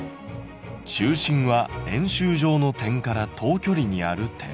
「中心は円周上の点から等距離にある点」。